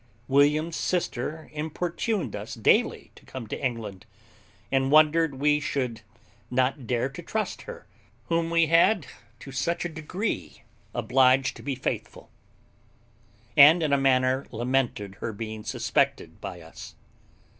William's sister importuned us daily to come to England, and wondered we should not dare to trust her, whom we had to such a degree obliged to be faithful; and in a manner lamented her being suspected by us.